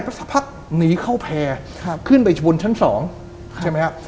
สักพักหนีเข้าแพร่ขึ้นไปชนชั้นสองใช่ไหมฮะ